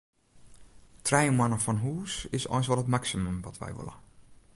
Trije moanne fan hûs is eins wol it maksimum wat wy wolle.